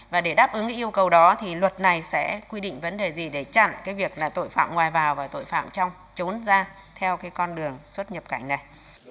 và để đáp ứng yêu cầu đó thì luật này sẽ quy định vấn đề gì để chặn cái việc là tội phạm ngoài vào và tội phạm trong trốn ra theo cái con đường xuất nhập cảnh này